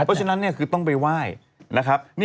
เพราะฉะนั้นคือต้องไปไหว้นะครับ